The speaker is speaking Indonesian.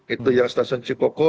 itu yang stasiun cikoko